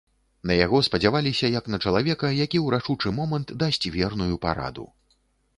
На яго спадзяваліся як на чалавека, які ў рашучы момант дасць верную параду.